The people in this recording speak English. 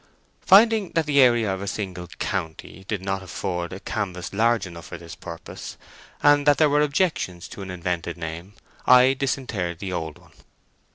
Finding that the area of a single county did not afford a canvas large enough for this purpose, and that there were objections to an invented name, I disinterred the old one.